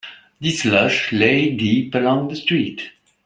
The slush lay deep along the street.